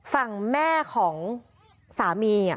ฝั่งแม่ของสามี